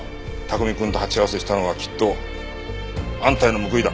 卓海くんと鉢合わせしたのはきっとあんたへの報いだ。